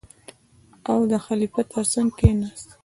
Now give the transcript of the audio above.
او د خلیفه تر څنګ کېناست.